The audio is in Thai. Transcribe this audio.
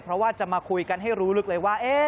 เพราะว่าจะมาคุยกันให้รู้ลึกเลยว่า